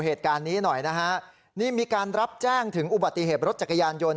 เหตุการณ์นี้หน่อยนะฮะนี่มีการรับแจ้งถึงอุบัติเหตุรถจักรยานยนต